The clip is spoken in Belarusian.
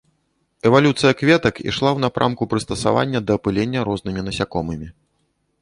Эвалюцыя кветак ішла ў напрамку прыстасавання да апылення рознымі насякомымі.